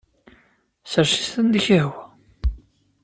Sers-it anda i k-yehwa.